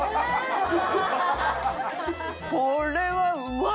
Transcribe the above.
これはうまい！